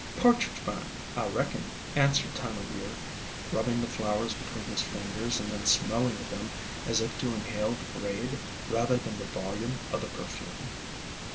"Pa'tridge Vine, I reckon," answered Time o' ALONG THE WATERWAYS 41 Year, rubbing the flowers between his fingers, and then smelling of them as if to inhale the grade rather than the volume of the perfume.